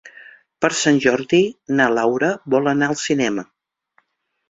Per Sant Jordi na Laura vol anar al cinema.